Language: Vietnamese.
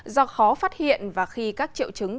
do khó phát hiện và khi các triệu chứng